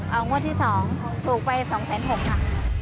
เอางวดที่สองถูกไป๒๖๐๐บาทค่ะ